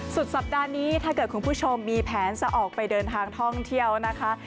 สุดสัปดาห์นี้ถ้าเกิดคุณผู้ชมมีแผนจะออกไปเดินทางท่องเที่ยวนะคะ